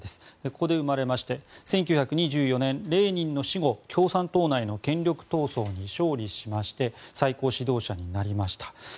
ここで生まれまして１９２４年、レーニンの死後共産党内の権力闘争に勝利しまして最高指導者になりました。